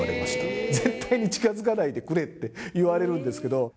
絶対に近づかないでくれって言われるんですけど。